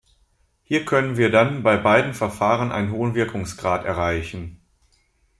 Hier können wir dann bei beiden Verfahren einen hohen Wirkungsgrad erreichen.